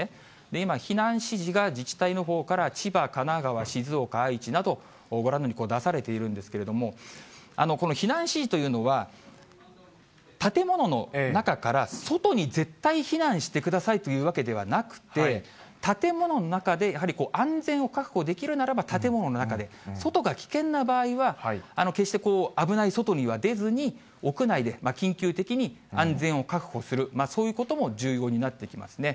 今、避難指示が自治体のほうから千葉、神奈川、静岡、愛知など、ご覧のように出されているんですけれども、この避難指示というのは、建物の中から外に絶対、避難してくださいというわけではなくて、建物の中でやはり安全を確保できるならば、建物の中で、外が危険な場合は、決して危ない外には出ずに、屋内で緊急的に安全を確保する、そういうことも重要になってきますね。